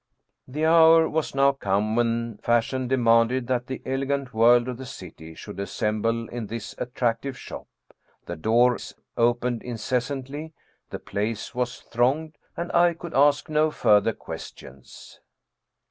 The hour was now come when fashion demanded that the elegant world of the city should as semble in this attractive shop. The doors opened inces santly, the place was thronged, and I could ask no further questions.